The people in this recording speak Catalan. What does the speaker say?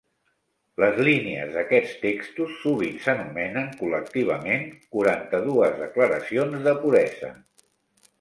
Les línies d'aquests textos sovint s'anomenen col·lectivament "quaranta-dues declaracions de puresa".